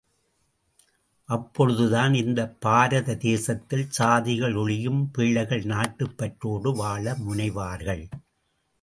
அப்பொழுதுதான் இந்த பாரத தேசத்தில் சாதிகள் ஒழியும் பிள்ளைகள் நாட்டுப் பற்றோடு வாழ முனைவார்கள்.